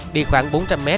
đi khoảng bốn trăm linh m